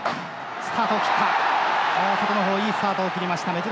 スタートを切った！